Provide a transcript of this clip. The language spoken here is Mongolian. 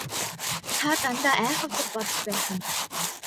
Та дандаа айхавтар бодож байх юм.